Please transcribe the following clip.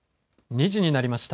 ２時になりました。